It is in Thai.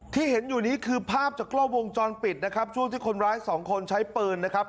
ที่เห็นอยู่นี้คือภาพจากกล้องวงจรปิดนะครับช่วงที่คนร้ายสองคนใช้ปืนนะครับ